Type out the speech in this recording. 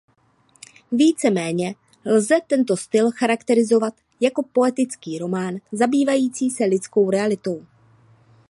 Víceméně lze tento styl charakterizovat jako poetický román zabývající se lidskou realitou.